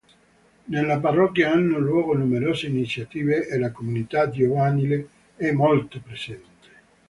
Nella parrocchia hanno luogo numerose iniziative e la comunità giovanile è molto presente.